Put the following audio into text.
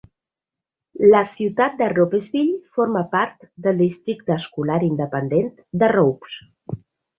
La ciutat de Ropesville forma part del districte escolar independent de Ropes.